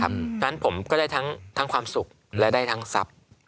เพราะฉะนั้นผมก็ได้ทั้งความสุขและได้ทั้งทรัพย์